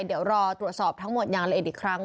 เดี๋ยวรอตรวจสอบทั้งหมดใหญ่ครั้ง